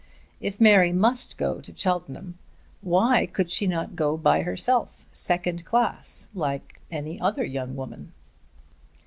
If Mary must go to Cheltenham, why could she not go by herself, second class, like any other young woman?